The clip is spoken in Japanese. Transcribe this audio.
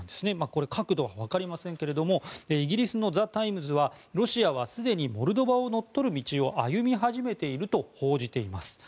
これ、確度は分かりませんがイギリスのザ・タイムズはロシアはすでにモルドバを乗っ取る道を歩み始めていると報じています。